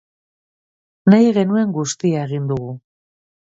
Nahi genuen guztia egin dugu.